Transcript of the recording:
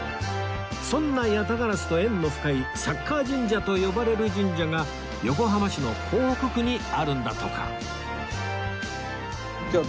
そんな八咫烏と縁の深いサッカー神社と呼ばれる神社が横浜市の港北区にあるんだとか